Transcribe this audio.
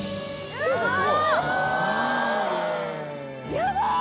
すごい！